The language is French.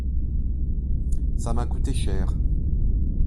Ça m’a coûté cher.